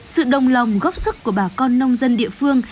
sự đồng lòng góp thức của bà con nông dân địa phương